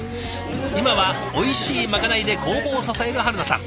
今はおいしいまかないで工房を支える春菜さん。